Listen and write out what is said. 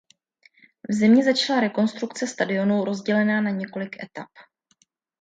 V zimě začala rekonstrukce stadionu rozdělená na několik etap.